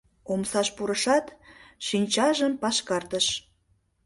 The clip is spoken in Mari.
Омсаш пурышат, шинчажым пашкартыш.